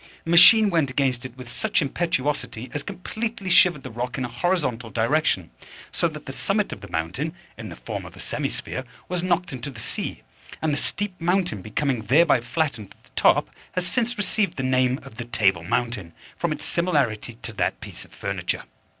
The machine went against it with such impetuosity as completely shivered the rock in a horizontal direction; so that the summit of the mountain, in the form of a semi sphere, was knocked into the sea, and the steep mountain becoming thereby flattened at the top, has since received the name of the Table Mountain, from its similarity to that piece of furniture.